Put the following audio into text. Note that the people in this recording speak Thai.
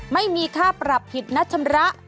ไม่มีค่าปรับผิดนัดชำระ